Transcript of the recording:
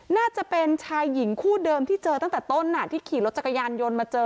น่าจะเป็นชายหญิงคู่เดิมที่เจอตั้งแต่ต้นที่ขี่รถจักรยานยนต์มาเจอ